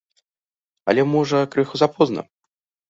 Але можа крыху запозна?